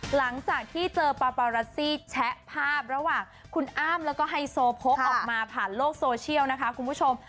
หลังจากที่เจอปาปารัสซี่แชะภาพระหว่างคุณอ้ำแล้วก็ไฮโซโพกออกมาผ่านโลกโซเชียลนะคะคุณผู้ชม